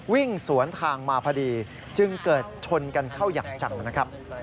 วิ่งสวนทางมาพอดีจึงเกิดชนกันเข้าอย่างจังนะครับ